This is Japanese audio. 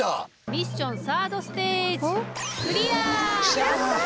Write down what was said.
ミッションサードステージやった！